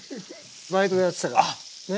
バイトでやってたからね。